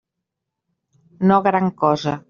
No gran cosa.